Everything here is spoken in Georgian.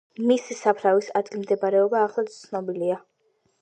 მისი საფლავის ადგილმდებარეობა ახლაც ცნობილია.